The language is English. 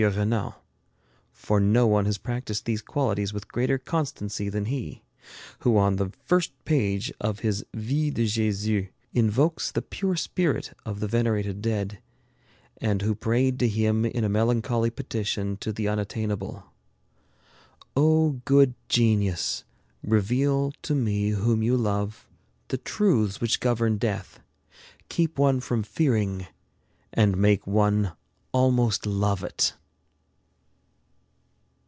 Renan; for no one has practiced these qualities with greater constancy than he, who on the first page of his 'Vie de Jésus' invokes the pure spirit of the venerated Dead, and who prayed to him in a melancholy petition to the unattainable "O good Genius, reveal to me whom you love, the truths which govern death, keep one from fearing and make one almost love it!"